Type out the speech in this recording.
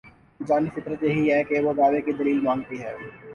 انسانی فطرت یہی ہے کہ وہ دعوے کی دلیل مانگتی ہے۔